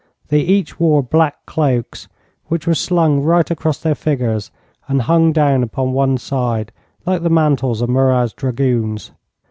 They each wore black cloaks, which were slung right across their figures, and hung down upon one side, like the mantles of Murat's dragoons.